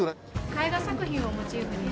絵画作品をモチーフにして。